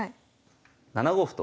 ７五歩と。